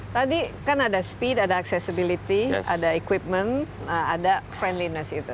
tadi kan ada speed ada accessibility ada equipment ada friendliness itu